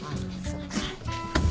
そっか。